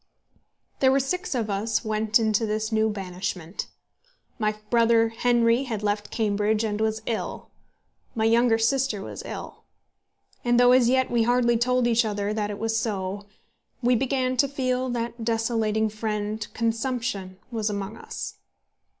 There were six of us went into this new banishment. My brother Henry had left Cambridge and was ill. My younger sister was ill. And though as yet we hardly told each other that it was so, we began to feel that that desolating fiend, consumption, was among us.